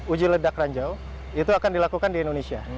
uji ledak ranjau itu akan dilakukan di indonesia